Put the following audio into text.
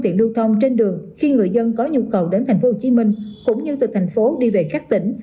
tiện cộng đồng trên đường khi người dân có nhu cầu đến tp hcm cũng như từ thành phố đi về các tỉnh